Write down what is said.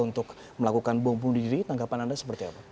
untuk melakukan bom pundiri tanggapan anda seperti apa